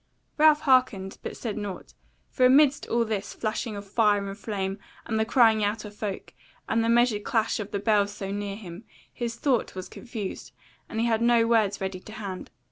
Ralph hearkened, but said nought; for amidst all this flashing of fire and flame, and the crying out of folk, and the measured clash of the bells so near him, his thought was confused, and he had no words ready to hand.